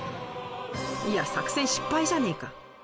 いや作戦失敗じゃねえか。